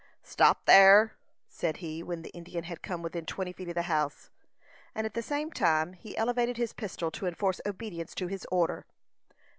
"Stop thyer!" said he, when the Indian had come within twenty feet of the house; and, at the same time, he elevated his pistol to enforce obedience to his order.